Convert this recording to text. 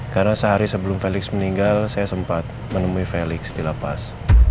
karena sehari sebelum felix meninggal saya sempat menemui felix di lapas